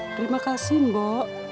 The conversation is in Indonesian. terima kasih mbok